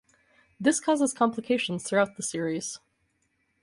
This causes complications throughout the series.